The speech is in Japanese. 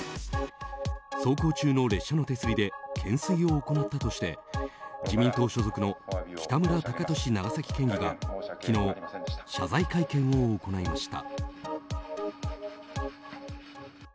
走行中の列車の手すりで懸垂を行ったとして自民党所属の北村貴寿長崎県議が昨日、謝罪会見を行いました。